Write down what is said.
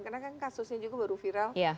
karena kan kasusnya juga baru viral